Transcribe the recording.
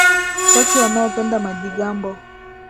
Watu wanaopenda majigambo